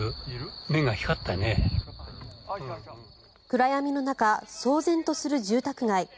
暗闇の中騒然とする住宅街。